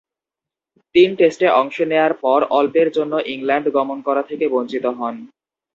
তিন টেস্টে অংশ নেয়ার পর অল্পের জন্যে ইংল্যান্ড গমন করা থেকে বঞ্চিত হন।